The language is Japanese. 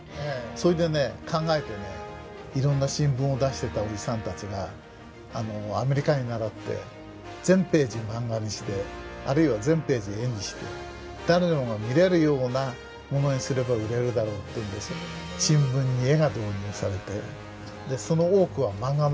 それでね考えてねいろんな新聞を出してたおじさんたちがアメリカに倣って全ページマンガにしてあるいは全ページ絵にして誰もが見れるようなものにすれば売れるだろうってんで新聞に絵が導入されてその多くはマンガの絵になったんです。